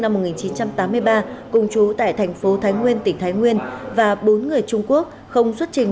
năm một nghìn chín trăm tám mươi ba cùng chú tại thành phố thái nguyên tỉnh thái nguyên và bốn người trung quốc không xuất trình